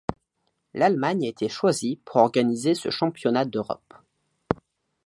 L'Allemagne a été choisie pour organiser ce championnat d'Europe.